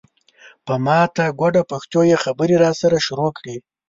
په ماته ګوډه پښتو یې خبرې راسره شروع کړې.